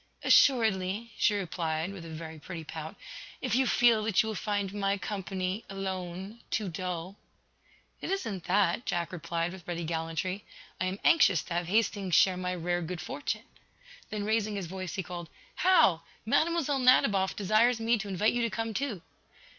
"Assuredly," she replied, with a very pretty pout, "if you feel that you will find my company, alone, too dull." "It isn't that," Jack replied, with ready gallantry. "I am anxious to have Hastings share my rare good fortune." Then raising his voice he called: "Hal, Mlle. Nadiboff desires me to invite you to come, too."